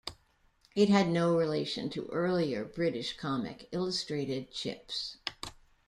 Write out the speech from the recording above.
It had no relation to earlier British comic "Illustrated Chips".